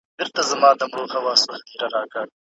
لکه څنګه چي ئې په مخکني حديث شريف کي بحث تير سو.